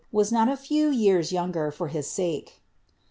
was not a few years youiigit for his sake."'